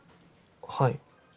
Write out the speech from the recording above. はい。